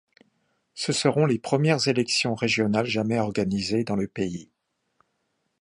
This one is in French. Ce seront les premières élections régionales jamais organisées dans le pays.